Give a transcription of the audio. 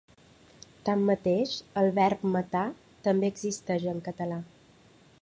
Tanmateix, el verb matar també existeix en català.